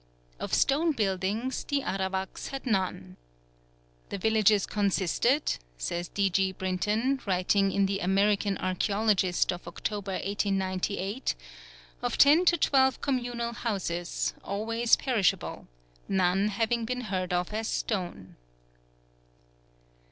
Of stone buildings the Arawaks had none. "The villages consisted," says D. G. Brinton, writing in The American Archæologist of October, 1898, "of ten to twelve communal houses, always perishable; none having been heard of as stone."